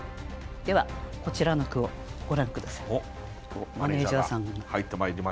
ではこちらの句をご覧下さい。